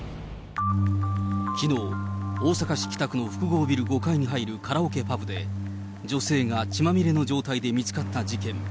きのう、大阪市北区の複合ビル５階に入るカラオケパブで、女性が血まみれの状態で見つかった事件。